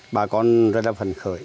bà con rất là phần khởi